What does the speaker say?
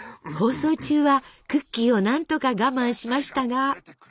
放送中はクッキーを何とか我慢しましたが。